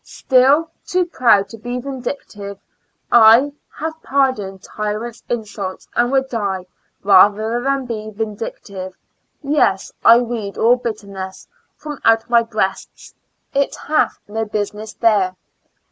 still too proud to be vindictive, I Have pardoned tyrant's insults, and would die Rather than be vindictive — yes, I weed all bitterness From out my breast; it hath no business there.